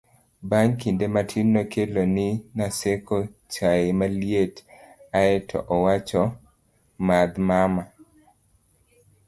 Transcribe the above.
bang' kinde matin nokelo ni Naseko chaye maliet ae to owacho 'madh mama